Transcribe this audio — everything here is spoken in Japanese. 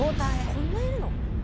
こんないるの？